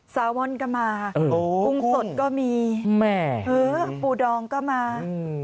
สาวอนก็มากุ้งสดก็มีแม่เออปูดองก็มา